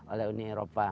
oleh uni eropa